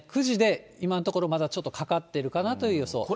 ９時で、今のところ、まだちょっとかかってるかなっていう予想。